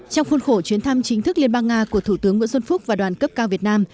trong khuôn khổ chuyến thăm chính thức liên bang nga của thủ tướng nguyễn xuân phúc và đoàn cấp cao việt nam